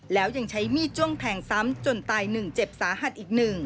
แล้วยังใช้มีดจ้วงแทงซ้ำจนตาย๑เจ็บสาหัสอีก๑